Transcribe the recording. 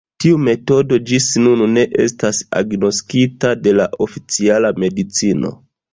Tiu metodo ĝis nun ne estas agnoskita de la oficiala medicino!